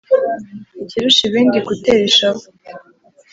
ikirusha ibindi gutera ishavu